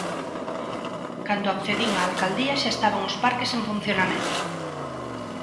Cando accedín á alcaldía xa estaban os parques en funcionamento.